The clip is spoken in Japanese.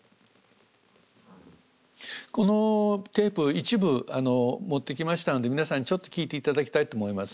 このテープ一部持ってきましたので皆さんにちょっと聞いて頂きたいと思います。